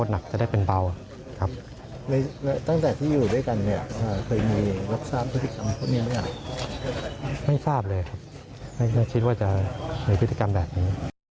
ในพฤติกรรมแบบนี้